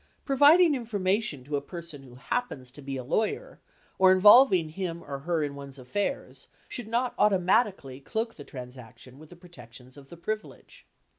Providing information to a person who happens to be a lawyer, or involving him or her in one's affairs should not automatically cloak the transaction with the protections of the privilege.